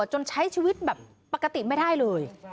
จนใช้ชีวิตแบบปกติไม่ได้เลย